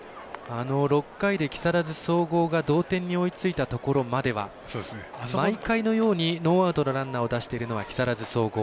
６回で木更津総合が同点に追いついたところまでは毎回のようにノーアウトのランナーを出しているのは木更津総合。